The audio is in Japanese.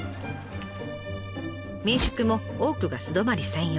民宿も多くが素泊まり専用。